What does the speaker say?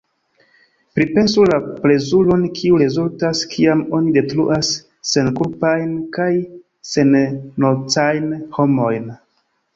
Pripensu la plezuron kiu rezultas kiam oni detruas senkulpajn kaj sennocajn homojn.